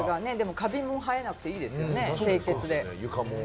カビも生えなくていいですよね、清潔で。